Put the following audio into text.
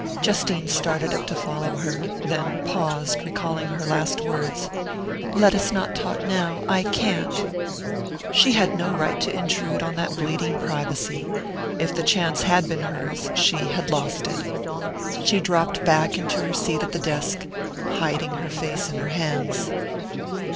Justine started up to follow her...then paused, recalling her last words. "Let us not talk now I can't!" She had no right to intrude on that bleeding privacy if the chance had been hers she had lost it. She dropped back into her seat at the desk, hiding her face in her hands.